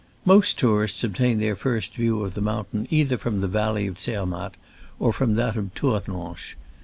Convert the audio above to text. Most tourists obtain their first view of the mountain either from the valley of Zermatt or from that of Tournanche.